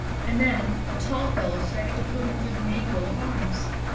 And then a tall fellow started to put him through the manual of arms.